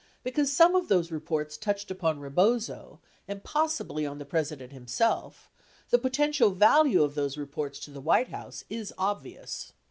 Because some of those reports touched upon Rebozo and possibly on the President himself, the potential value of those reports to the White House is obvious.